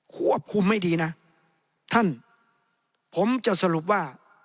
ควบคุมไม่ดีนะท่านผมจะสรุปว่า